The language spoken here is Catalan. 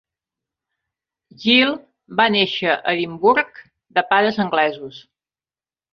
Gill va néixer a Edimburg de pares anglesos.